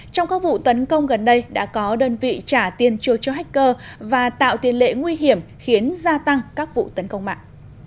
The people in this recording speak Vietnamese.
trong các vụ tấn công gần đây đã có đơn vị trả tiền chưa cho hacker và tạo tiền lệ nguy hiểm khiến gia tăng các vụ tấn công mạng